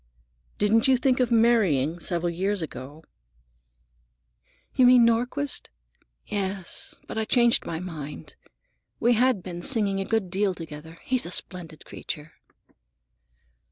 "Didn't you think of marrying, several years ago?" "You mean Nordquist? Yes; but I changed my mind. We had been singing a good deal together. He's a splendid creature."